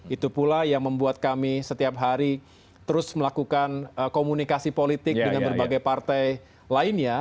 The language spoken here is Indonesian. itu pula yang membuat kami setiap hari terus melakukan komunikasi politik dengan berbagai partai lainnya